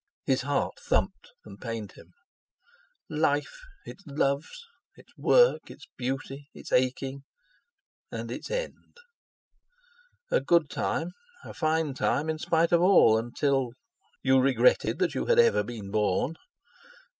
His heart thumped and pained him. Life—its loves—its work—its beauty—its aching, and—its end! A good time; a fine time in spite of all; until—you regretted that you had ever been born.